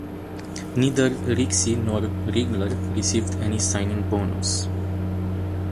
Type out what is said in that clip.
Neither Rixey nor Rigler received any signing bonus.